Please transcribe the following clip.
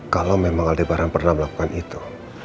kalau memang aldebaran pernah melakukan itu